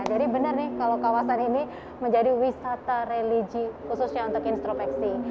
jadi bener nih kalau kawasan ini menjadi wisata religi khususnya untuk instropeksi